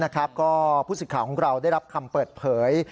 ก็ผู้สิทธิ์ข่าวของเราได้รับคำเปิดเผย